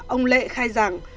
ông lệ khai rằng